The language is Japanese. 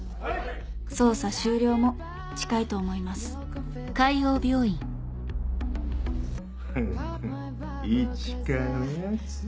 捜査終了も近いと思いますフフ一花のやつ。